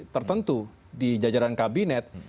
tertentu di jajaran kabinet